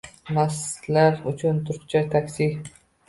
Mastlar uchun turkcha taksi